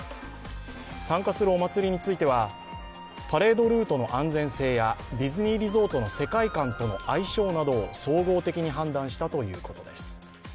参加するお祭りについては、パレードルートの安全性やディズニーリゾートの世界観との相性などを総合的に判断したということです。